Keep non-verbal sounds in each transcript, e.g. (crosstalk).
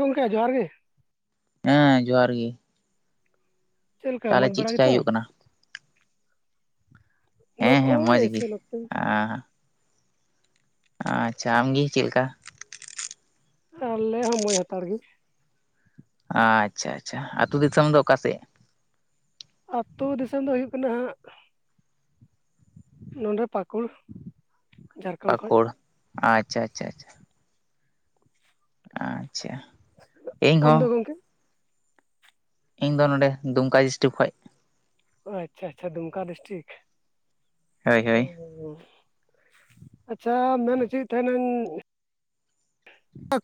ᱜᱚᱝᱠᱮ ᱡᱚᱦᱟᱨ ᱜᱮ.... ᱦᱮᱸ ᱡᱚᱦᱟᱨ ᱜᱮ ᱪᱮᱫ ᱞᱮᱠᱟ ᱛᱟᱦᱚᱞᱮ ᱢᱚᱡᱽ ᱪᱮᱫ ᱵᱟᱲᱟ ᱪᱮᱠᱟᱭ ᱜᱮᱛᱚ᱾ ᱦᱩᱭᱩᱜ ᱠᱟᱱᱟ (inaudible) ᱛᱮ ᱟᱟ.... ᱟ ᱟᱪᱪᱷᱟ ᱟᱢᱜᱮ ᱪᱮᱫ ᱞᱮᱠᱟ᱾ ᱟᱞᱮ ᱦᱚᱸ ᱢᱚᱸᱡᱽ ᱦᱟᱛᱟᱲ ᱜᱮ ᱟᱪᱪᱷᱟ ᱟᱪᱪᱷᱟ ᱟ ᱟᱹᱛᱩ ᱫᱤᱥᱚᱢ ᱫᱚ ᱚᱠᱟᱥᱮᱫ... ᱟᱛᱳ ᱫᱤᱥᱚᱢ ᱫᱚ ᱦᱩᱭᱩᱜ ᱠᱟᱱᱟᱜ.. ᱱᱚᱰᱮ ᱯᱟᱟᱹᱠᱩᱲ ᱯᱟᱠᱩᱲ ᱟᱪᱪᱷᱟ ᱟᱪᱪᱷᱟ ᱟᱷᱟ᱾ ᱟᱪᱪᱷᱟ ᱾ ᱟᱢ ᱫᱚ ᱜᱚᱢᱠᱮ? ᱤᱧ ᱫᱚ ᱱᱚᱰᱮ ᱫᱩᱢᱠᱟ ᱰᱤᱥᱴᱤᱠ ᱠᱷᱚᱡ ᱾ ᱟᱪᱪᱷᱟ ᱟᱪᱪᱷᱟ ᱫᱩᱢᱠᱟ ᱰᱤᱥᱴᱤᱠ, ᱦᱳᱭ ᱦ ᱦᱳᱭ ᱟᱪᱪᱷᱟ ᱢᱮᱱ ᱦᱚᱪᱚᱭᱮᱫ ᱛᱟᱦᱮᱱᱟᱹᱧ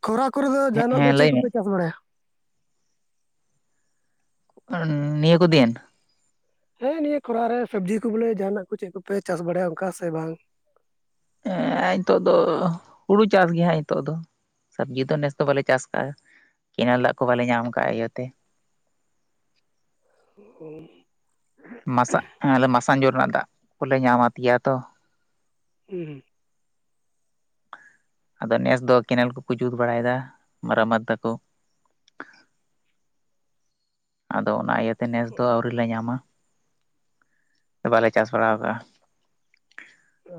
ᱠᱷᱚᱨᱟ ᱠᱚᱨᱮ ᱫᱚ ᱡᱟᱚᱜ ᱫᱚ ᱦᱮᱸ ᱪᱮᱫ ᱞᱟᱹᱭ ᱢᱮ ᱠᱚᱯᱮ ᱪᱟᱥ ᱵᱟᱲᱟᱭᱟ? ᱱᱤᱭᱟᱹ ᱠᱚ ᱫᱤᱱ ᱾ ᱦᱮᱸ ᱱᱤᱭᱟᱹ ᱠᱷᱚᱨᱟ ᱨᱮ ᱥᱚᱵᱽᱡᱤ ᱠᱚ ᱵᱚᱞᱮ ᱡᱟᱦᱟᱱᱟᱜ ᱠᱚ ᱪᱮᱫ ᱠᱚᱯᱮ ᱪᱟᱥ ᱵᱟᱲᱟᱭᱟ ᱚᱱᱠᱟ ᱥᱮ ᱵᱟᱝ? ᱱᱤᱛᱚᱜ ᱫᱚ ᱦᱩᱲᱩ ᱪᱟᱥ ᱜᱮ ᱦᱜ ᱱᱤᱛᱚᱜ ᱫᱚ ᱥᱚᱵᱽᱡᱤ ᱫᱚ ᱱᱮᱥ ᱫᱚ ᱵᱟᱞᱮ ᱪᱟᱥ ᱟᱠᱟᱜᱼᱟ ᱾ ᱠᱮᱱᱮᱞ ᱫᱟᱜ ᱠᱚ ᱵᱟᱞᱮ ᱧᱟᱢ ᱟᱠᱟᱫ ᱤᱭᱟᱹᱛᱮ ᱾ ᱚ ᱢᱟᱥᱟᱜ ᱢᱟᱥᱟᱝᱡᱳ ᱨᱮᱱᱟᱜ ᱫᱟᱜ ᱠᱚᱞᱮ ᱧᱟᱢᱟᱫᱮᱭᱟ ᱛᱚ ᱾ ᱦᱩᱸ ᱟᱫᱚ ᱱᱮᱥ ᱫᱚ ᱠᱮᱱᱮᱞ ᱠᱚᱠᱚ ᱡᱩᱛ ᱵᱟᱲᱟᱭᱮᱫᱟ ᱢᱟᱨᱟᱢᱛ ᱫᱟᱠᱚ ᱾ ᱟᱫᱚ ᱚᱱᱟ ᱤᱭᱟᱹᱛᱮ ᱱᱮᱥ ᱫᱚ ᱟᱣᱨᱤ ᱞᱮ ᱧᱟᱢᱟ ᱥᱮ ᱵᱟᱞᱮ ᱪᱟᱥ ᱵᱟᱲᱟ ᱟᱠᱟᱜᱼᱟ ᱾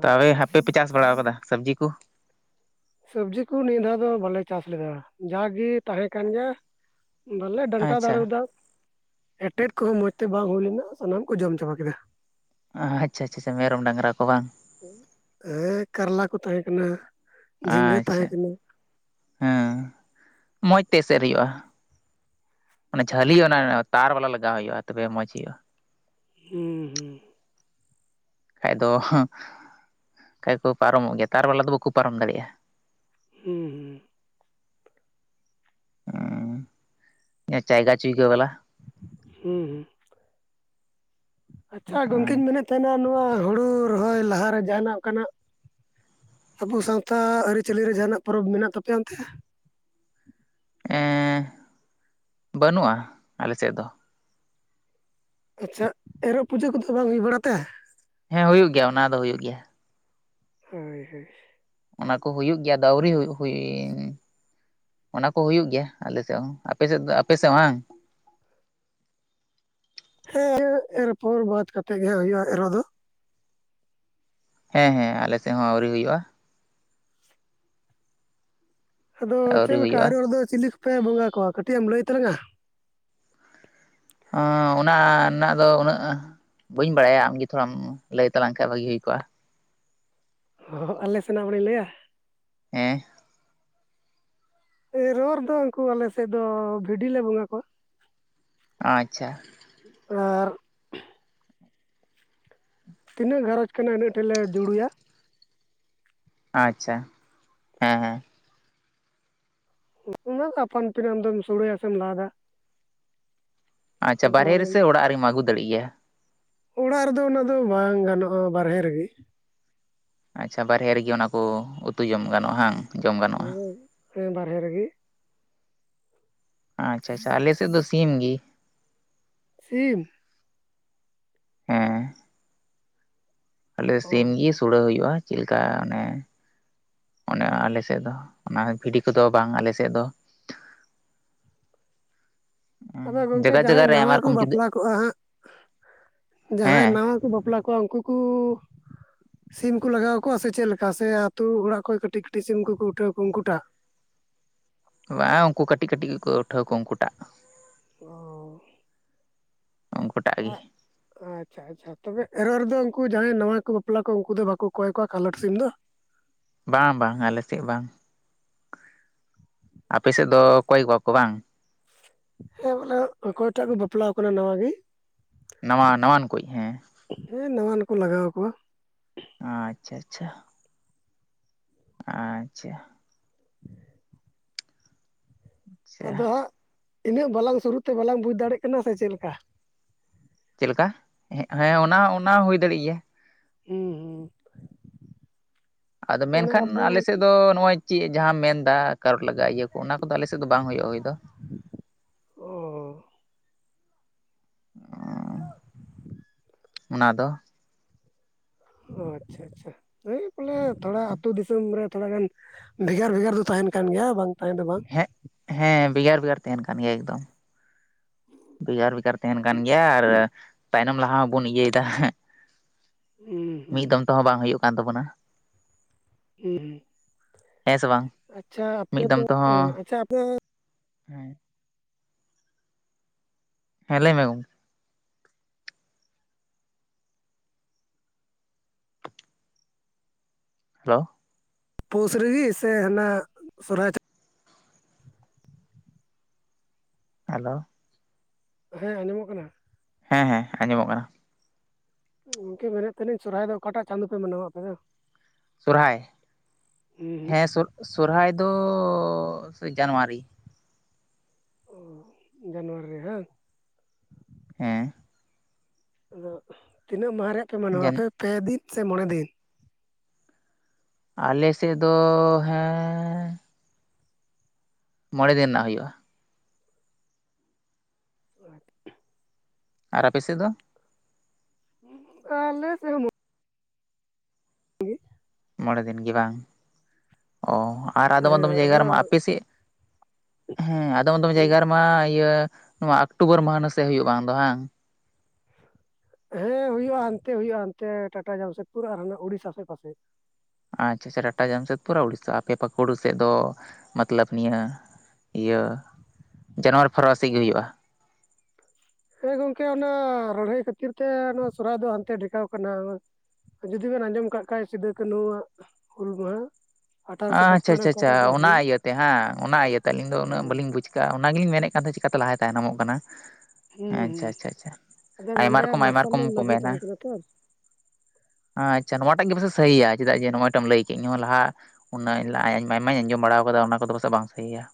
ᱛ ᱟᱯᱮ ᱟᱪᱪᱷᱟ, ᱦᱟᱯᱮᱯᱮ ᱪᱟᱥ ᱵᱟᱲᱟ ᱠᱟᱫᱟ ᱥᱚᱵᱽᱡᱤ ᱠᱚ? ᱥᱚᱵᱽᱡᱤ ᱠᱚ ᱱᱤᱭᱟᱹ ᱫᱷᱟᱣ ᱫᱚ ᱵᱟᱞᱮ ᱪᱟᱥ ᱞᱮᱫᱟ ᱡᱟᱜᱮ ᱛᱟᱦᱮᱸ ᱠᱟᱱ ᱜᱮᱭᱟ ᱾ ᱵᱟᱞᱮ ᱰᱟᱱᱴᱟ ᱟᱪᱪᱷᱟ ᱫᱟᱲᱮᱣᱟᱫᱟ ᱮᱴᱮᱫ ᱠᱚᱦᱚᱸ ᱢᱚᱸᱡᱽ ᱛᱮ ᱵᱟᱝ ᱦᱩᱭ ᱞᱮᱱᱟ ᱥᱟᱱᱟᱢ ᱠᱚ ᱡᱚᱢ ᱪᱟᱵᱟ ᱠᱮᱫᱟ ᱾ ᱟᱪᱷᱟ ᱟᱪᱪᱷᱟ ᱢᱮᱨᱚᱢ ᱰᱟᱝᱨᱟ ᱠᱚ ᱵᱟᱝ ᱾ ᱦᱮᱸ ᱠᱟᱨᱞᱟ ᱠᱚ ᱛᱟᱦᱮᱸ ᱠᱟᱱᱟ ᱾ ᱟᱪᱪᱷᱟ ᱦᱮᱸ ᱢᱚᱸᱡᱽᱛᱮ ᱮᱥᱮᱫ ᱦᱩᱭᱩᱜᱼᱟ ᱾ ᱢᱟᱱᱮ ᱡᱷᱟᱹᱞᱤ ᱚᱱᱟ ᱛᱟᱨ ᱵᱟᱞᱟ ᱞᱟᱜᱟᱣ ᱦᱩᱭᱩᱜᱼᱟ ᱛᱚᱵᱮ ᱢᱚᱸᱡᱽ ᱦᱩᱭᱩᱜᱼᱟ ᱾ ᱦᱩᱸ ᱦᱩᱸ ᱾ ᱠᱷᱟᱡ ᱫᱚ ᱠᱷᱟᱡ ᱠᱚ ᱯᱟᱨᱚᱢᱚᱜ ᱜᱮᱭᱟ ᱛᱟᱨ ᱵᱟᱞᱟ ᱫᱚ ᱵᱟᱠᱚ ᱯᱟᱨᱚᱢ ᱫᱟᱲᱮᱭᱟᱜᱼᱟ ᱾ ᱦᱩᱸ ᱦᱮᱸ ᱡᱟᱭᱜᱟ ᱪᱩᱭᱜᱟᱹ ᱵᱟᱞᱟ ᱾ ᱦᱩᱸ ᱟᱪᱪᱷᱟ ᱜᱚᱝᱠᱮᱧ ᱢᱮᱱᱮᱫ ᱛᱟᱦᱮᱱᱟ ᱱᱚᱣᱟ ᱦᱩᱲᱩ ᱨᱚᱦᱚᱭ ᱞᱟᱦᱟᱨᱮ ᱡᱟᱦᱟᱱᱟᱜ ᱚᱱᱠᱟᱱᱟᱜ ᱟᱵᱚ ᱥᱟᱶᱛᱟ ᱟᱹᱨᱤᱪᱟᱹᱞᱤ ᱨᱮ ᱡᱟᱦᱟᱱᱟᱜ ᱯᱚᱨᱚᱵᱽ ᱢᱮᱱᱟᱜ ᱛᱟᱯᱮᱭᱟ ᱚᱱᱛᱮ? ᱮᱻ ᱵᱟᱹᱱᱩᱜᱼᱟ ᱟᱞᱮᱥᱮᱫ ᱫᱚ ᱾ ᱟᱪᱪᱷᱟ ᱮᱨᱚᱜ ᱯᱩᱡᱟᱹ ᱠᱚᱫᱚ ᱵᱟᱝ ᱦᱩᱭ ᱵᱟᱲᱟ ᱛᱮ? ᱦᱮᱸ ᱦᱩᱭᱩᱜ ᱜᱮᱭᱟ ᱚᱱᱟ ᱫᱚ ᱦᱩᱭᱩᱜ ᱜᱮᱭᱟ ᱾ ᱦᱳᱭ ᱦᱳᱭ ᱾ ᱚᱱᱟ ᱠᱚ ᱦᱩᱭᱩᱜ ᱜᱮᱭᱟ ᱫᱚ ᱟᱹᱣᱨᱤ ᱦᱩᱭᱩᱜ ᱦᱩᱭ ᱚᱱᱟ ᱠᱚ ᱦᱩᱭᱩᱜ ᱜᱮᱭᱟ ᱟᱞᱮᱥᱮᱫ ᱦᱚᱸ, ᱟᱯᱮᱥᱮᱫ ᱫᱚ ᱟᱯᱮᱥᱮᱫ ᱦᱚᱸ ᱦᱟᱝ? ᱦᱮᱸ ᱮᱨᱯᱚᱨ ᱵᱟᱫ ᱠᱟᱛᱮᱜ ᱜᱮ ᱦᱩᱭᱩᱜᱼᱟ ᱮᱨᱚᱜ ᱫᱚ ᱾ ᱦᱮᱸ ᱦᱮᱸ ᱟᱞᱮᱥᱮᱫ ᱦᱚᱸ ᱟᱹᱣᱨᱤ ᱦᱩᱭᱩᱜᱼᱟ ᱾ ᱟᱫᱚ ᱪᱮᱫ ᱟᱹᱣᱨᱤ ᱞᱮᱠᱟ ᱦᱩᱭᱩᱜᱼᱟ ᱮᱨᱚᱜ ᱨᱮᱫᱚ ᱪᱤᱞᱤ ᱠᱚᱯᱮ ᱵᱚᱸᱜᱟ ᱠᱚᱣᱟ ᱠᱟᱹᱴᱤᱡ ᱮᱢ ᱞᱟᱹᱭ ᱛᱞᱟᱝᱟ? ᱚᱱᱟ ᱨᱮᱱᱟᱜ ᱫᱚ ᱩᱱᱟᱹᱜ ᱵᱟᱹᱧ ᱵᱟᱲᱟᱭᱟ ᱟᱢᱜᱮ ᱛᱷᱚᱲᱟᱢ ᱞᱟᱹᱭ ᱛᱟᱞᱟᱝ ᱠᱷᱟᱱ ᱵᱷᱟᱹᱜᱤ ᱦᱩᱭ ᱠᱚᱜᱼᱟ ᱾ ᱦᱚᱸ ᱟᱞᱮ ᱥᱮᱱᱟᱜ ᱦᱚᱲᱮ ᱞᱟᱹᱭᱟ ᱾ ᱦᱮᱸ ᱮᱨᱚᱜ ᱨᱮ ᱫᱚ ᱩᱱᱠᱩ ᱟᱞᱮ ᱥᱮᱫ ᱫᱚ ᱵᱷᱤᱰᱤ ᱞᱮ ᱵᱚᱸᱜᱟ ᱠᱚᱣᱟ ᱾ ᱟᱪᱪᱷᱟ ᱾ ᱟᱨ ᱛᱤᱱᱟᱹᱜ ᱜᱷᱟᱨᱚᱡᱽ ᱠᱟᱱᱟ ᱤᱱᱟᱹᱜ ᱴᱷᱮᱱ ᱞᱮ ᱡᱩᱲᱩᱭᱟ᱾ ᱟᱪᱪᱷᱟ ᱦᱮᱸ ᱦᱮᱸ ᱚᱱᱟ ᱫᱚ ᱟᱯᱟᱱ ᱟᱹᱯᱤᱱ ᱟᱢᱫᱚᱢ ᱥᱚᱲᱮᱭᱟ ᱥᱮᱢ ᱞᱟᱫᱟ ᱟᱪᱪᱷᱟ ᱵᱟᱨᱦᱮ ᱨᱮ ᱟᱫᱚ ᱥᱮ ᱚᱲᱟᱜ ᱨᱮᱢ ᱟᱹᱜᱩ ᱫᱟᱲᱮᱜ ᱜᱮᱭᱟ ᱚᱲᱟᱜ ᱨᱮᱫᱚ ᱚᱱᱟ ᱫᱚ ᱵᱟᱝ ᱜᱟᱱᱚᱜ-ᱟ ᱵᱟᱨᱦᱮ ᱨᱮᱜᱮ ᱟᱪᱪᱷᱟ ᱵᱟᱨᱦᱮ ᱨᱮᱜᱮ ᱚᱱᱟ ᱠᱚ ᱩᱛᱩ ᱡᱚᱢ ᱜᱟᱱᱚᱜ-ᱟ ᱵᱟᱝ ᱡᱚᱢ ᱜᱟᱱᱚᱜ-ᱟ᱾ ᱦᱮᱸ ᱵᱟᱨᱦᱮ ᱨᱮᱜᱮ ᱟᱪᱪᱷᱟ ᱟᱪᱪᱷᱟ ᱟᱪᱷᱟ ᱟᱞᱮᱥᱮᱫ ᱫᱚ ᱥᱤᱢ ᱜᱤ ᱥᱤᱢ? ᱦᱮᱸ ᱟᱞᱮ ᱥᱤᱢ ᱜᱮ ᱚ ᱥᱚᱲᱮ ᱦᱩᱭᱩᱜ-ᱟ ᱪᱮᱫ ᱞᱮᱠᱟ ᱚᱱᱮ ᱚᱱᱮ ᱟᱞᱮᱥᱮᱫ ᱫᱚ ᱚᱱᱟ ᱵᱷᱤᱰᱤ ᱠᱚᱫᱚ ᱵᱟᱝ ᱟᱞᱮᱥᱮᱫ ᱫᱚ ᱟᱫᱚ ᱜᱚᱢᱠᱮ ᱡᱟᱭᱜᱟ ᱡᱟᱭᱜᱟ ᱡᱟᱦᱟᱸᱭ ᱨᱮ ᱱᱟᱣᱟ ᱟᱭᱢᱟ ᱠᱚ ᱨᱚᱠᱚᱢ ᱡᱩᱫᱟᱹ ᱵᱟᱯᱞᱟ ᱠᱚᱜ-ᱟ ᱦᱟᱸᱜ ᱡᱟᱦᱟᱸᱭ ᱦᱮᱸ ᱱᱟᱣᱟ ᱠᱚ ᱵᱟᱯᱞᱟ ᱠᱚᱣᱟ ᱩᱱᱠᱩ ᱠᱩᱻ ᱥᱤᱢ ᱠᱚ ᱞᱟᱜᱟᱣ ᱠᱚᱣᱟ ᱥᱮ ᱪᱮᱫ ᱞᱮᱠᱟ ᱥᱮ ᱟᱛᱳ ᱚᱲᱟᱜ ᱠᱷᱚᱱ ᱠᱟᱹᱴᱤᱡ ᱠᱟᱹᱴᱤᱡ ᱥᱤᱢ ᱠᱚ ᱠᱚ ᱩᱴᱷᱟᱹᱣ ᱠᱚᱣᱟ ᱩᱱᱠᱩ ᱴᱟᱜ ᱵᱟᱝᱸ ᱩᱱᱠᱩ ᱠᱟᱹᱴᱤᱡ ᱠᱟᱹᱴᱤᱡ ᱜᱮᱠᱚ ᱩᱴᱷᱟᱹᱣ ᱠᱚᱣᱟ ᱩᱱᱠᱩ ᱴᱟᱜ ᱚ ᱩᱱᱠᱩᱴᱟᱜ ᱜᱮ ᱟᱪᱪᱷᱟ ᱟᱪᱪᱷᱟ ᱛᱚᱵᱮ ᱮᱨᱚᱜ ᱨᱮᱫᱚ ᱩᱱᱠᱩ ᱡᱟᱦᱟᱸᱭ ᱱᱟᱣᱟ ᱠᱚ ᱵᱟᱯᱞᱟ ᱠᱚ ᱩᱱᱠᱩ ᱫᱚ ᱵᱟᱠᱚ ᱠᱚᱭ ᱠᱚᱣᱟ ᱠᱟᱞᱚᱴ ᱥᱤᱢ ᱫᱚ ᱵᱟᱝ ᱵᱟᱝ ᱟᱞᱮᱥᱮᱫ ᱵᱟᱝ᱾ ᱟᱯᱮ ᱥᱮᱫ ᱫᱚ ᱠᱚᱭ ᱠᱚᱣᱟ ᱠᱚ ᱵᱟᱝ? ᱦᱮᱸ ᱵᱚᱞᱮ ᱚᱠᱚᱭᱴᱟᱜ ᱠᱚ ᱵᱟᱯᱞᱟ ᱠᱟᱱᱟ ᱱᱟᱣᱟᱹ ᱜᱮ ᱱᱟᱣᱟ ᱱᱟᱣᱟᱱ ᱠᱚ ᱦᱮᱸ ᱦᱮᱸ ᱱᱟᱣᱟᱱ ᱠᱚ ᱞᱟᱜᱟᱣ ᱟᱠᱚᱣᱟ ᱟᱪᱪᱷᱟ ᱟᱪᱪᱷᱟ ᱟᱪᱪᱷᱟ (inaudible) ᱟᱪᱪᱷᱟ ᱟᱫᱚ ᱦᱟᱸᱜ ᱤᱱᱟᱹᱜ ᱵᱟᱞᱟᱝ ᱥᱩᱨᱩᱛᱮ ᱵᱟᱞᱟᱝ ᱵᱩᱡᱽ ᱫᱟᱲᱮᱜ ᱠᱟᱱᱟ ᱥᱮ ᱪᱮᱫ ᱞᱮᱠᱟ ᱪᱮᱫ ᱞᱮᱠᱟ ᱦᱮᱸ ᱚᱱᱟ ᱚᱱᱟ ᱦᱩᱭ ᱫᱟᱲᱮᱭᱟᱜ ᱜᱮᱭᱟ᱾ ᱦᱮᱸ ᱦᱩᱸ ᱟᱫᱚ ᱢᱟᱱᱮ ᱢᱮᱱᱠᱷᱟᱱ ᱟᱞᱮ ᱟᱵᱚ ᱥᱮᱫ ᱫᱚ ᱱᱚᱜ-ᱚᱭ ᱪᱮᱫ ᱡᱟᱦᱟᱸᱢ ᱢᱮᱱᱫᱟ ᱠᱟᱨᱚᱴ ᱞᱟᱜᱟᱜ ᱤᱭᱟᱹ ᱠᱚ ᱚᱱᱟ ᱠᱚᱫᱚ ᱟᱞᱮᱥᱮᱫ ᱫᱚ ᱵᱟᱝ ᱦᱩᱭᱩᱜ-ᱟ ᱦᱩᱭ ᱫᱚ ᱚᱻ ᱚᱱᱟ ᱫᱚ ᱚ ᱟᱪᱪᱷᱟ ᱟᱪᱪᱷᱟᱭ ᱵᱚᱞᱮ ᱛᱷᱚᱲᱟ ᱟᱹᱛᱩ ᱫᱤᱥᱚᱢ ᱨᱮ ᱛᱷᱚᱲᱟ ᱜᱟᱱ ᱵᱷᱮᱜᱟᱨ ᱵᱷᱮᱜᱟᱨ ᱫᱚ ᱛᱟᱦᱮᱱ ᱠᱟᱱ ᱜᱮᱭᱟ ᱵᱟᱝ ᱛᱟᱦᱮᱸ ᱫᱚ ᱵᱟᱝ ᱦᱮᱸ ᱵᱷᱮᱜᱟᱨ ᱵᱷᱮᱜᱟᱨ ᱛᱟᱦᱮᱱ ᱠᱟᱱ ᱜᱮᱭᱟ ᱮᱠᱫᱚᱢ ᱵᱷᱮᱜᱟᱨ ᱵᱷᱮᱜᱟᱨ ᱛᱟᱦᱮᱱ ᱠᱟᱱ ᱜᱮᱭᱟ ᱟᱨ ᱛᱟᱭᱱᱚᱢ ᱞᱟᱦᱟ ᱢᱟᱵᱚᱱ ᱤᱭᱟ ᱫᱟ ᱦᱩᱸ ᱦᱩᱸ ᱢᱤᱫ ᱫᱚᱢ ᱛᱮᱦᱚᱸ ᱵᱟᱝ ᱦᱩᱭᱩᱜ ᱠᱟᱱ ᱛᱟᱵᱚᱱᱟ᱾ ᱦᱮᱸ ᱦᱮᱸ ᱦᱮᱸ ᱥᱮ ᱵᱟᱝ? ᱟᱪᱪᱷᱟ ᱟᱯᱮ ᱢᱤᱫ ᱫᱚ ᱟᱪᱪᱷᱟ ᱟᱯᱮ ᱦᱮᱸ ᱦᱮᱸ ᱞᱟᱹᱭ ᱢᱮ ᱜᱚᱢᱠᱮ ᱦᱮᱞᱳ ᱯᱳᱥ ᱨᱮᱜᱤ ᱥᱮ ᱦᱟᱱᱟ ᱥᱚᱨᱦᱟᱭ ᱦᱮᱞᱳ ᱦᱮᱸ ᱟᱸᱡᱚᱢᱚᱜ ᱠᱟᱱᱟ᱾ ᱦᱮᱸ ᱦᱮᱸ ᱟᱸᱡᱚᱢᱚᱜ ᱠᱟᱱᱟ᱾ ᱜᱚᱢᱠᱮ ᱢᱮᱱᱮᱫ ᱛᱟᱦᱮᱱᱟᱹᱧ ᱥᱚᱨᱦᱟᱭ ᱫᱚ ᱚᱠᱟᱴᱟᱜ ᱪᱟᱸᱫᱳ ᱯᱮ ᱢᱟᱱᱟᱣᱟ ᱟᱯᱮ ᱫᱚ? ᱥᱚᱨᱦᱟᱭ ᱦᱩᱸ ᱦᱮᱸ ᱥᱚᱼᱥᱚᱨᱦᱟᱭ ᱫᱚᱻ ᱡᱟᱱᱩᱣᱟᱨᱤ ᱾ ᱚ ᱡᱟᱱᱩᱣᱟᱨᱤ ᱨᱮ ᱦᱟᱝ? ᱦᱮᱸ᱾ ᱟᱫᱚ ᱛᱤᱱᱟᱹᱜ ᱢᱟᱦᱟ ᱨᱮᱭᱟᱜ ᱯᱮ ᱢᱟᱱᱟᱣᱟ ᱡᱟᱱ ᱟᱯᱮ ᱯᱮ ᱫᱤᱱ ᱥᱮ ᱢᱚᱬᱮ ᱫᱤᱱ? ᱟᱞᱮ ᱥᱮᱫ ᱫᱚ ᱦᱮᱸᱻ ᱢᱚᱬᱮ ᱫᱤᱱ ᱨᱮᱱᱟᱜ ᱦᱩᱭᱩᱜᱼᱟ᱾ (unintelligible) ᱟᱨ ᱟᱯᱮ ᱥᱮᱫ ᱫᱚ? ᱩᱸ ᱟᱞᱮ ᱥᱮ ᱦᱚ ᱢᱚ ᱜᱤ ᱢᱚᱬᱮ ᱫᱤᱱ ᱜᱮ ᱵᱟᱝ? ᱚ ᱟᱨ ᱟᱫᱚᱢ ᱟᱫᱚᱢ ᱦᱮᱸ ᱡᱟᱭᱜᱟ ᱨᱮᱢᱟ ᱟᱫᱚ ᱟᱯᱮ ᱥᱮᱫ ᱦᱮᱸ ᱟᱫᱚᱢ ᱟᱫᱚᱢ ᱡᱟᱭᱜᱟ ᱨᱮᱢᱟ ᱤᱭᱟᱹ ᱱᱚᱣᱟ ᱚᱠᱴᱳᱵᱚᱨ ᱢᱟᱦᱱᱟᱹ ᱥᱮᱫ ᱦᱩᱭᱩᱜ ᱵᱟᱝ ᱫᱚ ᱦᱟᱝ ᱾ ᱦᱮᱸ ᱦᱩᱭᱩᱜᱼᱟ ᱦᱟᱱᱛᱮ ᱦᱩᱭᱩᱜᱼᱟ ᱦᱟᱱᱛᱮ ᱴᱟᱴᱟ ᱡᱟᱢᱥᱮᱫᱽᱯᱩᱨ ᱟᱨ ᱦᱟᱱᱮ ᱩᱲᱤᱥᱟ ᱥᱮᱫ ᱯᱟᱥᱮᱡ᱾ ᱟᱪᱪᱷᱟᱼᱪᱷᱟ ᱴᱟᱴᱟ ᱡᱟᱢᱥᱮᱫᱯᱩᱨ ᱟᱨ ᱩᱲᱤᱥᱥᱟ ᱟᱯᱮ ᱯᱟᱹᱠᱩᱲ ᱥᱮᱫ ᱫᱚ ᱢᱚᱛᱞᱚᱵᱽ ᱱᱤᱭᱟᱹ ᱤᱭᱟᱹ ᱡᱟᱱᱩᱣᱟᱨᱤ ᱯᱷᱟᱨᱩᱣᱟᱨᱤ ᱥᱮᱫ ᱜᱤ ᱦᱩᱭᱩᱜᱼᱟ? ᱦᱮᱸ ᱜᱚᱢᱠᱮ ᱚᱱᱟ ᱨᱟᱹᱲᱦᱟᱹᱭ ᱠᱷᱟᱹᱛᱤᱨ ᱛᱮ ᱱᱚᱣᱟ ᱥᱚᱨᱦᱟᱭ ᱫᱚ ᱦᱟᱱᱛᱮ ᱰᱷᱮᱠᱟᱣ ᱠᱟᱱᱟ᱾ ᱡᱩᱫᱤ ᱵᱮᱱ ᱟᱸᱡᱚᱢ ᱠᱟᱫ ᱠᱷᱟᱡ ᱥᱤᱫᱟᱹ ᱠᱟᱹᱱᱦᱩᱣᱟᱜ ᱦᱩᱞ ᱢᱟᱦᱟ ᱟᱴᱷᱟᱨᱚᱥᱚ ᱯᱟᱸᱪᱯᱚᱱ ᱨᱮ ᱟᱪᱪᱷᱟᱼᱪᱷᱟ ᱪᱷᱟ ᱚᱠᱟᱴᱟᱜ ᱫᱚ ᱚᱱᱟ ᱦᱩᱞ ᱤᱭᱟᱹᱛᱮ ᱦᱟᱝ ᱚᱱᱟ ᱤᱭᱟᱹᱛᱮ ᱟᱹᱞᱤᱧ ᱫᱚ ᱩᱱᱟᱹᱜ ᱦᱩᱸ ᱵᱟᱹᱞᱤᱧ ᱵᱩᱡᱷ ᱠᱟᱜᱼᱟ ᱚᱱᱟ ᱜᱮᱞᱤᱧ ᱢᱮᱱᱮᱫ ᱠᱟᱱ ᱛᱟᱦᱮᱸ ᱪᱤᱠᱟᱛᱮ ᱞᱟᱦᱟ ᱛᱟᱭᱱᱚᱢᱚᱜ ᱠᱟᱱᱟ? ᱦᱮᱸ ᱦᱩᱸ ᱟᱪᱪᱷᱟ ᱦᱩᱸ ᱟᱪᱪᱷᱟ ᱟᱪᱷᱟ ᱟᱫᱚ ᱟᱭᱢᱟ ᱱᱚᱰᱮ ᱨᱚᱠᱚᱢ ᱟᱭᱢᱟ ᱢᱟᱨᱥᱟᱞ ᱨᱚᱠᱚᱢ ᱞᱚ ᱠᱚ ᱞᱟᱹᱜᱩ ᱢᱮᱱᱟ᱾ ᱛᱟᱦᱮᱸ ᱠᱟᱱᱟ ᱛᱚ ᱟᱪᱪᱷᱟ ᱱᱚᱣᱟ ᱴᱟᱜ ᱜᱮ ᱯᱟᱥᱮᱡ ᱥᱟᱹᱦᱤᱭᱟ, ᱪᱮᱫᱟᱜ ᱡᱮ ᱱᱚᱣᱟᱴᱟᱜ ᱮᱢ ᱞᱟᱹᱭ ᱠᱮᱫ ᱤᱧ ᱦᱚᱸ ᱞᱟᱦᱟ ᱩᱱᱟᱹᱜ ᱟᱭᱢᱟ ᱟᱭᱢᱟᱧ ᱟᱸᱡᱚᱢ ᱵᱟᱲᱟᱣ ᱠᱟᱫᱟ, ᱚᱱᱟ ᱠᱚᱫᱚ ᱯᱟᱥᱮᱡ ᱵᱟᱝ ᱥᱟᱹᱦᱤᱭᱟ᱾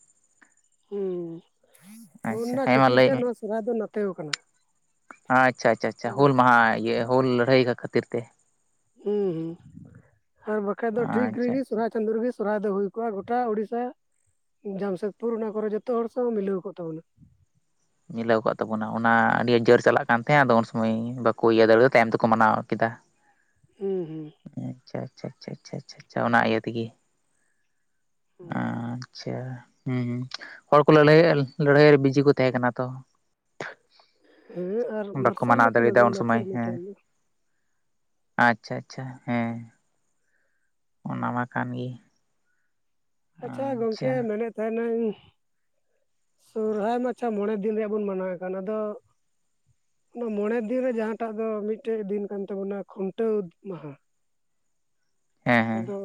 ᱦᱩᱸ ᱟᱪᱪᱷᱟ ᱚᱱᱟ ᱦᱮᱸ ᱢᱟ ᱠᱷᱟᱹᱛᱤᱨ ᱞᱟᱹᱭ ᱛᱮ ᱢᱮ ᱱᱚᱣᱟ ᱥᱚᱨᱚᱦᱟᱭ ᱫᱚ ᱱᱟᱛᱮᱣ ᱠᱟᱱᱟ᱾ ᱟᱪᱪᱷᱟ ᱟᱪᱪᱷᱟ ᱟᱪᱪᱷᱟ ᱦᱩᱞ ᱦᱩᱸ ᱢᱟᱦᱟ ᱤᱭᱟᱹ ᱦᱩᱞ ᱞᱟᱹᱲᱦᱟᱹᱭ ᱠᱟᱜ ᱠᱷᱟᱹᱛᱤᱨ ᱛᱮ᱾ ᱦᱩᱸ ᱦᱩᱸ ᱟᱨ ᱵᱟᱠᱷᱟᱡ ᱫᱚ ᱴᱷᱤᱠ ᱨᱮᱜᱮ ᱟᱪᱪᱷᱟ ᱟᱪᱪᱷᱟ ᱥᱚᱦᱚᱨᱟᱭ ᱪᱟᱸᱫᱳ ᱨᱮᱜᱤ᱾ ᱥᱚᱨᱦᱟᱭ ᱫᱚ ᱦᱩᱭ ᱠᱚᱜᱼᱟ ᱜᱚᱴᱟ ᱳᱲᱤᱥᱟ, ᱡᱟᱢᱥᱮᱫᱽᱯᱩᱨ ᱚᱱᱟ ᱠᱚᱨᱮ ᱡᱚᱛᱚ ᱦᱚᱲ ᱥᱟᱶ ᱢᱤᱞᱟᱹᱣ ᱠᱚᱜ ᱛᱟᱵᱚᱱᱟ᱾ ᱢᱤᱞᱟᱹᱣ ᱟᱠᱟᱫ ᱛᱟᱵᱚᱱᱟ, ᱚᱱᱟ ᱟᱹᱰᱤ ᱡᱟᱹᱲ ᱪᱟᱞᱟᱜ ᱠᱟᱱ ᱛᱟᱦᱮᱸᱫ ᱟᱫᱚ ᱩᱱ ᱥᱩᱢᱟᱹᱭ ᱵᱟᱠᱚ ᱤᱭᱟᱹ ᱫᱟᱲᱮᱭᱟᱫᱟ ᱛᱟᱭᱚᱢ ᱛᱮᱠᱚ ᱢᱟᱱᱟᱣ ᱠᱮᱫᱟ᱾ ᱦᱩᱸ ᱦᱩᱸ ᱾ ᱟᱪᱪᱷᱟ ᱟᱪᱷᱟ ᱟᱪᱪᱷᱟ ᱟᱪᱪᱷᱟ ᱚᱱᱟ ᱤᱭᱟᱹ ᱛᱤᱜᱤ ᱦᱩᱸ ᱟᱪᱪᱷᱟ ᱦᱩᱸ ᱦᱚᱲ ᱠᱚ ᱞᱟᱹᱲᱦᱟᱹᱭ ᱞᱟᱹᱲᱦᱟᱹᱭ ᱨᱮ ᱵᱤᱡᱤ ᱠᱚ ᱛᱟᱦᱮᱸᱠᱟᱱᱟ᱾ ᱛᱚ ᱦᱮᱸ ᱟᱨ ᱵᱟᱠᱚ ᱢᱟᱨᱥᱟᱞ ᱢᱟᱱᱟᱣ ᱫᱚᱠᱚ ᱫᱟᱲᱤᱭᱟᱫᱟ ᱞᱟᱹᱜᱤᱫ ᱩᱱ ᱞᱟᱛᱟᱨ ᱥᱚᱢᱚᱭ ᱢᱮ ᱦᱮᱸ ᱾ ᱛᱟᱦᱮᱸᱫ ᱫᱚ ᱟᱪᱪᱷᱟ ᱟᱪᱪᱷᱟ ᱦᱮᱸ᱾ ᱚᱱᱟ ᱢᱟ ᱠᱟᱱ ᱜᱤ᱾ ᱟᱪᱪᱷᱟ ᱜᱚᱢᱠᱮ ᱢᱮᱱᱮᱫ ᱛᱟᱦᱮᱱᱟᱹᱧ ᱥᱚᱨᱦᱟᱭ ᱢᱟ ᱟᱪᱪᱷᱟ ᱢᱚᱬᱮ ᱫᱤᱱ ᱨᱮᱭᱟᱜ ᱵᱚᱱ ᱢᱟᱱᱟᱣᱮᱫ ᱠᱟᱱ, ᱟᱫᱚ ᱚᱱᱟ ᱢᱚᱬᱮ ᱫᱤᱱ ᱨᱮ ᱡᱟᱦᱟᱸᱴᱟᱜ ᱫᱚ ᱢᱤᱫᱴᱮᱡ ᱫᱤᱱ ᱠᱟᱱ ᱛᱟᱵᱚᱱᱟ ᱠᱷᱩᱱᱴᱟᱹᱣ ᱢᱟᱦᱟ᱾ ᱦᱮᱸ ᱦᱮᱸ ᱟᱫᱚ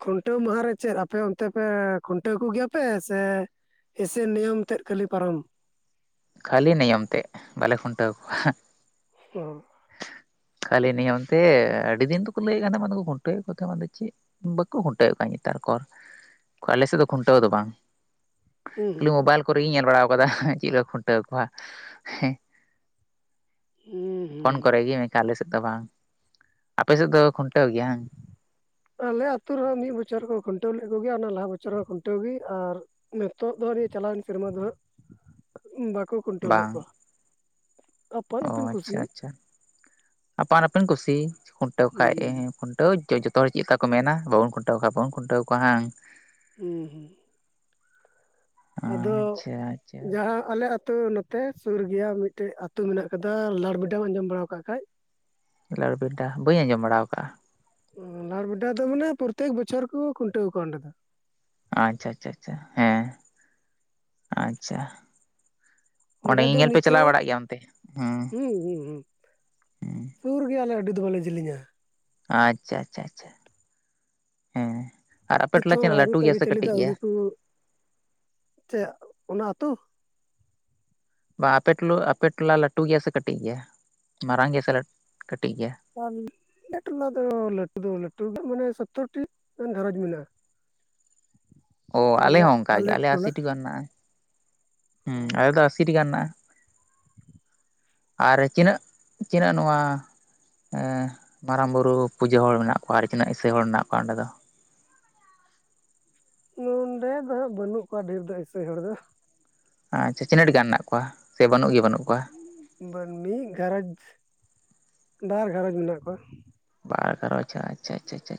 ᱠᱷᱩᱱᱴᱟᱹᱣ ᱢᱟᱦᱟ ᱨᱮ ᱪᱮᱫ ᱟᱯᱮ ᱚᱱᱛᱮ ᱯᱮ ᱠᱷᱩᱱᱴᱟᱹᱣ ᱠᱚᱜᱮᱭᱟ ᱯᱮ ᱥᱮ? ᱥᱮ ᱱᱤᱭᱚᱢ ᱛᱮᱫ ᱠᱷᱟᱹᱞᱤ ᱯᱟᱨᱚᱢ? ᱠᱷᱟᱹᱞᱤ ᱱᱤᱭᱚᱢ ᱛᱮᱫ ᱵᱟᱞᱮ ᱠᱷᱩᱱᱴᱟᱹᱣ ᱠᱚᱣᱟ᱾ ᱚᱸ ᱾ ᱠᱷᱟᱹᱞᱤ ᱱᱤᱭᱟ ᱚᱱᱛᱮ ᱟᱹᱰᱤ ᱫᱤᱱ ᱫᱚᱠᱚ ᱞᱟᱹᱭᱮᱫ ᱠᱟᱱ ᱠᱷᱩᱱᱴᱟᱹ ᱭᱮᱫ ᱠᱚ ᱛᱟᱦᱮᱸ ᱵᱟᱝ ᱫᱚ ᱪᱮᱫ? ᱵᱟᱠᱚ ᱠᱷᱩᱱᱴᱟᱹᱣᱮᱫ ᱠᱟᱱᱣᱟ ᱱᱮᱛᱟᱨ ᱠᱚᱨ ᱟᱞᱮ ᱥᱮᱫ ᱫᱚ ᱠᱷᱩᱱᱴᱟᱹᱣ ᱫᱚ ᱵᱟᱝ᱾ ᱦᱩᱸ ᱠᱷᱟᱹᱞᱤ ᱢᱳᱵᱟᱭᱤᱞ ᱠᱚᱨᱮᱜᱤᱧ ᱧᱮᱞ ᱵᱟᱲᱟ ᱟᱠᱟᱫᱟ ᱪᱮᱫ ᱞᱮᱠᱟ ᱠᱷᱩᱱᱴᱟᱹᱣ ᱠᱚᱣᱟ ᱦᱮᱸ᱾ ᱦᱩᱸ ᱾ ᱯᱷᱳᱱ ᱠᱚᱨᱮ ᱜᱮ ᱢᱮᱱᱠᱷᱟᱱ ᱟᱞᱮ ᱥᱮᱫ ᱫᱚ ᱵᱟᱝ ᱟᱯᱮ ᱥᱮᱫ ᱫᱚ ᱠᱷᱩᱱᱴᱟᱹᱣ ᱜᱮᱭᱟ ᱦᱟᱝ? ᱟᱞᱮ ᱟᱹᱛᱩ ᱨᱮᱦᱚᱸ ᱢᱤᱫ ᱵᱚᱪᱷᱚᱨ ᱠᱚ ᱠᱷᱩᱱᱴᱟᱹᱣ ᱞᱮᱫ ᱠᱚᱜᱮᱭᱟ ᱚᱱᱟ ᱞᱟᱦᱟ ᱵᱚᱪᱷᱚᱨ ᱦᱚᱸ ᱠᱷᱩᱱᱴᱟᱹᱣ ᱜᱮ ᱟᱨ ᱱᱤᱛᱚᱜ ᱫᱚ ᱱᱤᱭᱟᱹ ᱪᱟᱞᱟᱣᱮᱱ ᱥᱮᱨᱢᱟ ᱫᱚ ᱦᱟᱸᱜ ᱵᱟᱠᱚ ᱠᱷᱩᱱᱴᱟᱹᱣ ᱞᱮᱫ ᱠᱚᱣᱟ᱾ ᱚᱻ ᱟᱯᱟᱱ ᱟᱹᱯᱤᱱ ᱟᱪᱪᱷᱟ ᱠᱩᱥᱤ ᱟᱪᱪᱷᱟ ᱟᱯᱟᱱ ᱟᱹᱯᱤᱱ ᱠᱩᱥᱤ ᱠᱷᱩᱱᱴᱟᱹᱣ ᱠᱚ ᱦᱩᱸ ᱠᱷᱟᱡ ᱛᱟᱹᱣ ᱡᱚᱛᱚ ᱦᱚᱲ ᱪᱮᱫ ᱠᱟ ᱠᱚ ᱢᱮᱱᱟ ᱵᱟᱵᱚᱱ ᱠᱷᱩᱱᱴᱟᱹᱣ ᱠᱚ ᱠᱷᱚᱱ ᱵᱟᱵᱚᱱ ᱠᱷᱩᱱᱴᱟᱹᱣ ᱠᱚᱣᱟ ᱦᱟᱝ? ᱦᱩᱸ ᱦᱩᱸ ᱾ ᱟᱫᱚ ᱟᱪᱪᱷᱟ ᱟᱪᱪᱷᱟ ᱡᱟᱦᱟᱸ ᱟᱞᱮ ᱟᱹᱛᱩ ᱱᱚᱛᱮ ᱥᱩᱨ ᱜᱮᱭᱟ ᱢᱤᱫᱴᱮᱡ ᱟᱹᱛᱩ ᱢᱮᱱᱟᱜ ᱠᱟᱫᱟ ᱞᱟᱲᱵᱤᱰᱟᱢ ᱟᱸᱡᱚᱢ ᱵᱟᱲᱟᱣ ᱟᱠᱟᱫ ᱠᱷᱟᱡ? ᱞᱟᱲᱵᱮᱰᱟ ᱵᱟᱹᱧ ᱟᱸᱡᱚᱢ ᱵᱟᱲᱟ ᱣᱟᱠᱟᱜ-ᱟ ᱾ ᱞᱟᱲᱵᱮᱰᱟ ᱫᱚ ᱢᱟᱱᱮ ᱯᱨᱚᱛᱮᱠ ᱵᱚᱪᱷᱚᱨ ᱠᱚ ᱠᱷᱩᱱᱴᱟᱹᱣ ᱠᱚᱣᱟ ᱚᱸᱰᱮ ᱫᱚ ᱾ ᱟᱪᱪᱷᱟ ᱟᱪᱪᱷᱟ ᱟᱪᱪᱷᱟ ᱦᱮᱸ ᱟᱪᱪᱷᱟ ᱾ ᱚᱸᱰᱮ ᱫᱚ ᱧᱮᱧᱮᱞ ᱯᱮ ᱪᱟᱞᱟᱣ ᱱᱤᱛᱚᱜ ᱵᱟᱲᱟᱜ ᱜᱮᱭᱟ ᱚᱱᱛᱮ ᱦᱮᱸ ᱦᱩᱸ ᱦᱩᱸ ᱦᱩᱸ ᱦᱮᱸ ᱾ ᱥᱩᱨ ᱜᱮᱭᱟ ᱟᱞᱮ ᱟᱹᱰᱤ ᱫᱚ ᱵᱟᱞᱮ ᱡᱮᱞᱤᱧ-ᱟ᱾ ᱟᱪᱪᱷᱟ ᱟᱪᱪᱷᱟ ᱟᱪᱷᱟ ᱦᱮᱸ ᱾ ᱱᱤᱛᱚᱜ ᱦᱚᱸ ᱨᱟᱭᱨᱤᱛ ᱟᱹᱨᱤᱪᱟᱹᱞᱤ ᱫᱚ ᱟᱹᱣᱨᱤ ᱠᱩ ᱪᱮᱫ ᱚᱱᱟ ᱟᱹᱛᱩ ᱵᱟ ᱟᱯᱮ ᱴᱩᱞᱩ ᱟᱯᱮ ᱴᱚᱞᱟ ᱞᱟᱹᱴᱩ ᱜᱮᱭᱟ ᱥᱮ ᱠᱟᱹᱴᱤᱡ ᱜᱮᱭᱟ ᱢᱟᱨᱟᱝ ᱜᱮᱭᱟ ᱥᱮ ᱠᱟᱹᱴᱤᱡ ᱜᱮᱭᱟ᱾ ᱠᱚ ᱵᱤᱧ ᱾ ᱟᱞᱮ ᱴᱚᱞᱟ ᱫᱚ ᱞᱟᱹᱴᱩ ᱫᱚ ᱞᱟᱹᱴᱩ ᱜᱮᱭᱟ ᱢᱟᱱᱮ ᱥᱳᱛᱛᱚᱨ ᱴᱤ ᱜᱟᱱ ᱜᱷᱟᱨᱚᱸᱡᱽ ᱢᱮᱱᱟᱜᱼᱟ᱾ ᱚ ᱟᱞᱮ ᱵᱚᱞᱮ ᱦᱚᱸ ᱚᱱᱠᱟ ᱜᱮ ᱟᱞᱮ ᱟᱞᱮᱭᱟᱜ ᱴᱚᱞᱟ ᱟᱥᱤᱴᱤᱠᱟ ᱜᱟᱱ ᱢᱮᱱᱟᱜ-ᱟ, ᱦᱩᱸ ᱟᱞᱮ ᱫᱚ ᱟᱥᱤᱴᱤ ᱜᱟᱱ ᱦᱮᱱᱟᱜ-ᱟ ᱾ ᱟᱨ ᱛᱤᱱᱟᱹᱜ ᱛᱤᱱᱟᱹᱜ ᱱᱚᱣᱟ ᱢᱟᱨᱟᱝ ᱵᱩᱨᱩ ᱯᱩᱡᱟᱹ ᱦᱚᱲ ᱢᱮᱱᱟᱜ ᱠᱚᱣᱟ ᱟᱨ ᱛᱤᱱᱟᱹᱜ ᱤᱥᱟᱹᱭ ᱦᱚᱲ ᱢᱮᱱᱟᱜ ᱠᱚᱣᱟ ᱚᱸᱰᱮ ᱫᱚ? ᱱᱚᱰᱮ ᱫᱚ ᱦᱟᱸᱜ ᱵᱟᱹᱱᱩᱜ ᱠᱚᱣᱟ ᱰᱷᱮᱨ ᱫᱚ ᱤᱥᱟᱹᱭ ᱦᱚᱲ ᱫᱚ ᱾ ᱟᱪᱪᱷᱟ ᱪᱤᱱᱟᱹᱜ ᱜᱟᱱ ᱢᱮᱱᱟᱜ ᱠᱚᱣᱟ ᱥᱮ ᱵᱟᱹᱱᱩᱜ ᱜᱮ ᱵᱟᱹᱱᱩᱜ ᱠᱚᱣᱟ? ᱢᱤᱫ ᱜᱷᱟᱨᱚᱸᱡᱽ ᱵᱟᱨ ᱜᱷᱟᱨᱚᱸᱡᱽ ᱢᱮᱱᱟᱜ ᱠᱚᱣᱟ᱾ ᱵᱟᱨ ᱟᱪᱪᱷᱟ ᱟᱪᱪᱷᱟ ᱟᱪᱪᱷᱟ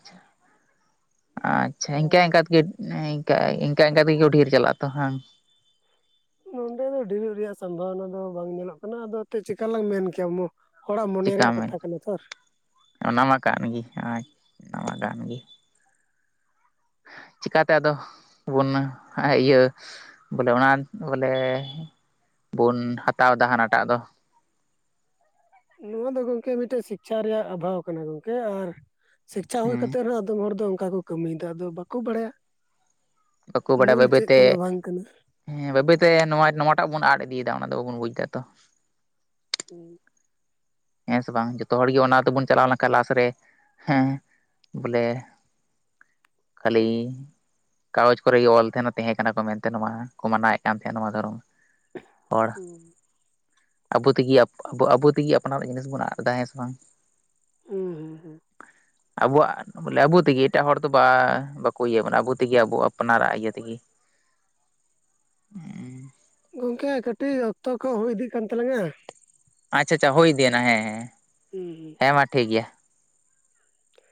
ᱤᱱᱠᱟᱹ ᱟᱨ ᱤᱱᱠᱟ ᱛᱮᱜᱤ ᱤᱱᱠᱟ ᱤᱱᱠᱟ ᱛᱮᱜᱮ ᱠᱚ ᱰᱷᱤᱨ ᱪᱟᱞᱟᱜ-ᱟ ᱛᱚ ᱦᱟᱝ? ᱱᱚᱸᱰᱮ ᱫᱚ ᱰᱷᱤᱨᱚᱜ ᱨᱮᱭᱟᱜ ᱥᱚᱢᱵᱷᱚᱵᱚᱱᱟ ᱫᱚ ᱵᱟᱝ ᱧᱮᱞᱚᱜ ᱠᱟᱱᱟ ᱟᱫᱚ ᱛᱮᱫ ᱪᱤᱠᱟᱞᱟᱝ ᱢᱮᱱ ᱠᱮᱭᱟ ᱾ ᱦᱚᱲᱟᱜ ᱢᱚᱱᱮ ᱨᱮᱭᱟᱜ ᱠᱟᱛᱷᱟ ᱠᱟᱱᱟ ᱛᱷᱚᱨ ᱚᱱᱟᱢᱟ ᱠᱟᱱ ᱜᱤ ᱚᱭ ᱚᱱᱟᱢᱟ ᱠᱟᱱ ᱜᱤ ᱪᱤᱠᱟ ᱛᱮ ᱟᱫᱚ ᱵᱚᱱ ᱤᱭᱟᱹ ᱵᱚᱞᱮ ᱚᱱᱟ ᱵᱚᱞᱮ ᱵᱚᱱ ᱦᱟᱛᱟᱣ ᱫᱟ ᱦᱟᱱᱟᱴᱟᱜ ᱫᱚ? ᱱᱚᱣᱟ ᱫᱚ ᱜᱚᱝᱠᱮ ᱢᱤᱫᱴᱮᱡ ᱥᱤᱠᱪᱷᱟ ᱨᱮᱭᱟᱜ ᱚᱵᱷᱟᱣ ᱠᱟᱱᱟ ᱜᱚᱝᱠᱮ ᱟᱨ ᱥᱤᱠᱪᱷᱟ ᱦᱩᱭ ᱦᱮᱸ ᱠᱟᱛᱮᱫ ᱨᱮᱦᱚᱸ ᱟᱫᱚᱢ ᱦᱚᱲ ᱫᱚ ᱚᱱᱠᱟ ᱠᱚ ᱠᱟᱹᱢᱤᱭᱫᱟ ᱟᱫᱚ ᱵᱟᱠᱚ ᱵᱟᱲᱟᱭᱟ ᱵᱟᱠᱚ ᱾ ᱵᱟᱰᱟᱭᱟ ᱢᱩᱞ ᱵᱟᱹᱭ ᱪᱮᱫ ᱵᱟᱹᱭᱛᱮ ᱠᱟᱱᱟ ᱵᱟᱝ ᱠᱟᱱᱟ ᱾ ᱦᱮᱸ ᱵᱟᱹᱭ ᱵᱟᱹᱭ ᱛᱮ ᱱᱚᱣᱟ ᱱᱚᱣᱟᱴᱟᱜ ᱵᱚᱱ ᱟᱫ ᱤᱫᱤᱭᱫᱟ ᱚᱱᱟ ᱫᱚ ᱵᱟᱵᱚᱱ ᱵᱩᱡ ᱮᱫᱟ ᱛᱚ ᱾ ᱩᱸ ᱾ ᱦᱮᱸ ᱥᱮ ᱵᱟᱝ ᱡᱚᱛᱚ ᱦᱚᱲ ᱜᱮ ᱚᱱᱟ ᱛᱮᱵᱚᱱ ᱪᱟᱞᱟᱣ ᱞᱮᱱᱠᱷᱟᱱ ᱞᱟᱥ ᱨᱮ ᱦᱮᱸ ᱵᱚᱞᱮ ᱠᱷᱟᱹᱞᱤ ᱠᱟᱜᱚᱡᱽ ᱠᱚᱨᱮ ᱜᱮ ᱚᱞ ᱛᱟᱦᱮᱸᱱᱟ ᱛᱟᱦᱮᱸ ᱠᱟᱱᱟ ᱠᱚ ᱢᱮᱱᱛᱮ ᱱᱚᱣᱟ ᱠᱚ ᱢᱟᱱᱟᱣᱮᱫ ᱠᱟᱱ ᱛᱟᱦᱮᱸᱱᱟ ᱱᱚᱣᱟ ᱫᱷᱚᱨᱚᱢ ᱾ ᱦᱚᱲ ᱦᱩᱸ ᱟᱵᱚ ᱛᱤᱜᱤ ᱟᱵᱚ ᱛᱤᱜᱤ ᱾ ᱟᱯᱱᱟᱨᱟᱜ ᱡᱤᱱᱤᱥ ᱵᱚᱱ ᱟᱫ ᱫᱟ ᱦᱮᱸ ᱥᱮ ᱵᱟᱝ? ᱩᱸ ᱦᱩᱸ ᱦᱩᱸ! ᱟᱵᱚᱣᱟᱜ ᱵᱚᱞᱮ ᱟᱵᱚ ᱛᱤᱜᱤ ᱮᱴᱟᱜ ᱦᱚᱲ ᱫᱚ ᱵᱟ ᱵᱟᱠᱚ ᱤᱭᱟᱹ ᱵᱚᱱᱟ ᱟᱵᱚ ᱛᱤᱜᱤ ᱟᱵᱚ ᱟᱯᱱᱟᱨᱟᱜ ᱤᱭᱟᱹ ᱛᱤᱜᱤ ᱾ ᱜᱚᱝᱠᱮ ᱠᱟᱹᱴᱤᱜ ᱚᱠᱛᱚ ᱠᱚ ᱦᱩᱭ ᱤᱫᱤᱜ ᱠᱟᱱ ᱛᱟᱞᱟᱝᱟ ᱾ ᱟᱪᱪᱷᱟ ᱟᱪᱷᱟ ᱦᱩᱭ ᱫᱤᱭᱮ ᱦᱮᱸ ᱦᱮᱸ ᱾ ᱩᱸ ᱦᱩᱸ ᱾ ᱦᱮᱸ ᱢᱟ ᱴᱷᱤᱠ ᱜᱮᱭᱟ,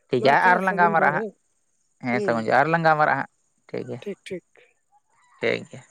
ᱴᱷᱤᱠ ᱢᱟ ᱜᱮᱭᱟ ᱟᱪᱪᱷᱟ ᱟ-ᱟᱨᱚ ᱞᱟᱝ ᱥᱟᱹᱜᱩᱱ ᱜᱟᱞᱢᱟᱨᱟᱜ ᱡᱚᱦᱟᱨ ᱦᱟᱸᱜ, ᱦᱮᱸ ᱦᱮᱸ ᱦᱩᱸ ᱥᱟᱹᱜᱩᱱ ᱡᱚ ᱟᱨ ᱞᱟᱝ ᱜᱟᱞᱢᱟᱨᱟᱜ ᱦᱟᱸᱜ, ᱴᱷᱤᱠ ᱜᱮᱭᱟ, ᱴᱷᱤᱠ ᱜᱮᱭᱟ ᱾